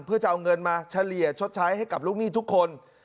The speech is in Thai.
เพื่อจะเอาเงินมาเฉลี่ยชดใช้ให้กับลูกหนี้ทุกคน